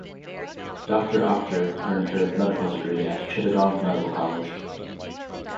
Doctor Akhter earned her medical degree at Chittagong Medical College.